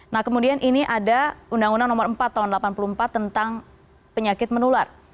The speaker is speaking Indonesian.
nah kemudian ini ada undang undang nomor empat tahun seribu sembilan ratus delapan puluh empat tentang penyakit menular